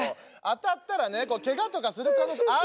当たったらねケガとかする可能性。